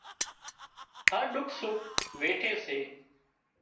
هر ڏُک سُک ويٺي سي